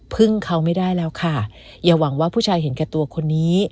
พึ่งเขาไม่ได้แล้วค่ะอย่าหวังว่าผู้ชายเห็นแก่ตัวคนนี้